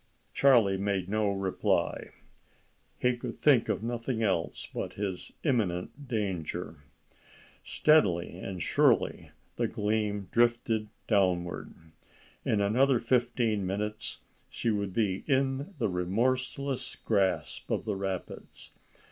Charlie made no reply. He could think of nothing else but his imminent danger. Steadily and surely the Gleam drifted downward. In another fifteen minutes she would be in the remorseless grasp of the rapids.